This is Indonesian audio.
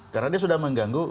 karena dia sudah mengganggu